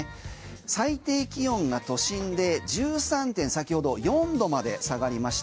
最低気温が都心で１３．４度まで先ほど下がりました。